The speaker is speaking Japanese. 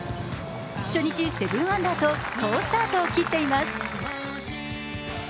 初日７アンダーと好スタートを切っています。